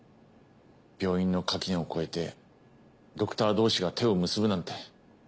病院の垣根を越えてドクター同士が手を結ぶなんて